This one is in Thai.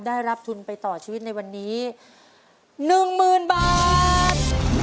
ได้รับทุนไปต่อชีวิตในวันนี้๑๐๐๐บาท